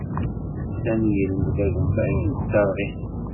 Sami yelmed agemmay n tserɣint.